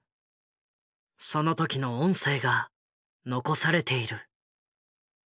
その時の音声が残されている。